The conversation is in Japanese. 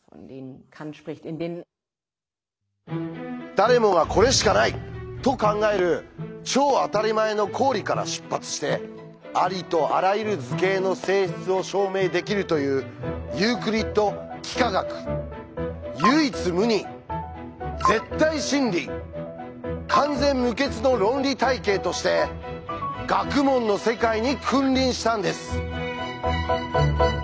誰もが「これしかない」と考える超あたりまえの公理から出発してありとあらゆる図形の性質を証明できるというユークリッド幾何学。として学問の世界に君臨したんです。